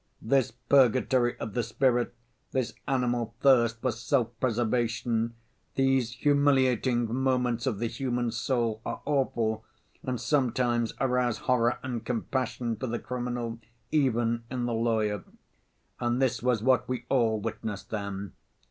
This purgatory of the spirit, this animal thirst for self‐preservation, these humiliating moments of the human soul, are awful, and sometimes arouse horror and compassion for the criminal even in the lawyer. And this was what we all witnessed then.